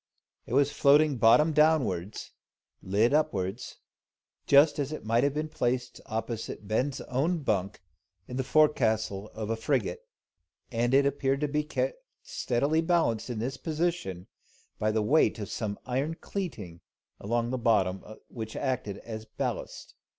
It was floating bottom downwards, and lid upwards, just as it might have been placed opposite Ben's own bunk in the forecastle of a frigate, and it appeared to be kept steadily balanced in this position by the weight of some iron cleeting along the bottom, which acted as ballast.